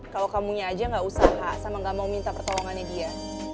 kalau kamunya aja gak usaha sama gak mau minta pertolongannya dia